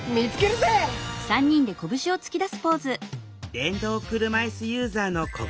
電動車いすユーザーの小暮さん。